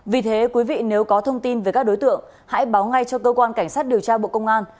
vì thế quý vị nếu có thông tin về các đối tượng hãy báo ngay cho cơ quan cảnh sát điều tra bộ công an